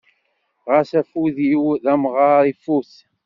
Ɣas afud-iw d amɣar ifut.